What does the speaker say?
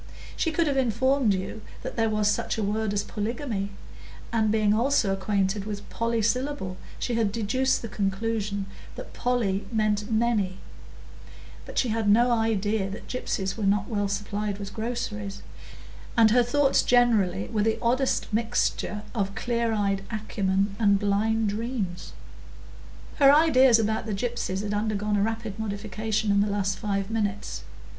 She could have informed you that there was such a word as "polygamy," and being also acquainted with "polysyllable," she had deduced the conclusion that "poly" mean "many"; but she had had no idea that gypsies were not well supplied with groceries, and her thoughts generally were the oddest mixture of clear eyed acumen and blind dreams. Her ideas about the gypsies had undergone a rapid modification in the last five minutes.